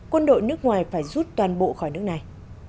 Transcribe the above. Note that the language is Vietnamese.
quân đội nước ngoài phải rút toàn bộ khỏi nước này